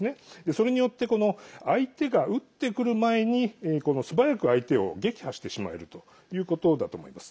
それによって相手が撃ってくる前に素早く相手を撃破してしまえるということだと思います。